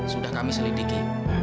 sudah kami selidiki